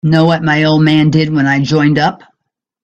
Know what my old man did when I joined up?